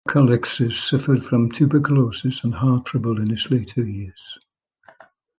Sockalexis suffered from tuberculosis and heart trouble in his later years.